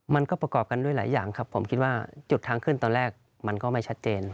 ประกอบกันด้วยหลายอย่างครับผมคิดว่าจุดทางขึ้นตอนแรกมันก็ไม่ชัดเจน